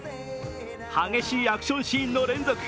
激しいアクションシーンの連続。